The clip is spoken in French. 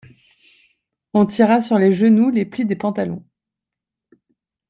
On tira sur les genoux les plis des pantalons.